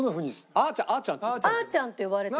「あーちゃん」って呼ばれてて。